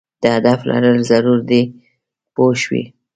د هدف لرل ضرور دي پوه شوې!.